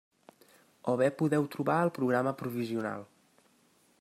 O bé podeu trobar el programa provisional.